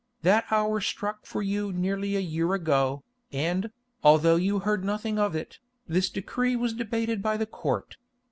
That hour struck for you nearly a year ago, and, although you heard nothing of it, this decree was debated by the Court.